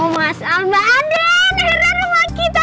mas alba adan heran rumah kita